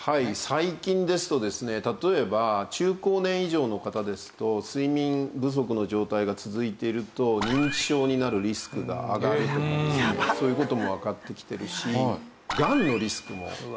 最近ですとですね例えば中高年以上の方ですと睡眠不足の状態が続いていると認知症になるリスクが上がるとかですねそういう事もわかってきてるしがんのリスクも。